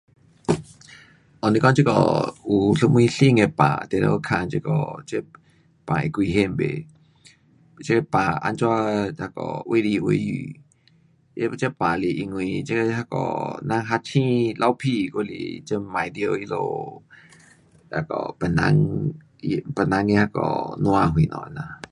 哦若讲这个有什么新的病，定得问这个，这病会危险不，这病怎样那个染来染去。那这病是因为这那个人喷嚏，流【鼻水】还是这碰到他们那个别人，别人的那个【口水】什么这样。